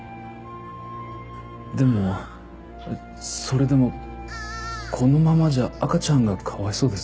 でもそれでもこのままじゃ赤ちゃんがかわいそうです。